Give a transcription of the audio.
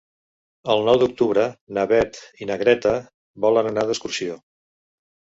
El nou d'octubre na Beth i na Greta volen anar d'excursió.